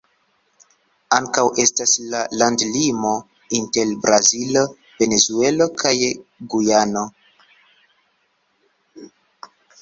Ankaŭ estas la landlimo inter Brazilo, Venezuelo kaj Gujano.